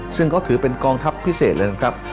ซึ่งเขาถือเป็นกองทัพพิเศษเลยนะครับ